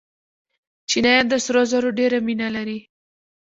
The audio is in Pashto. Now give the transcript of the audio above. چینایان د سرو زرو ډېره مینه لري.